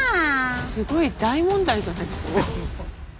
すごい大問題じゃないですか。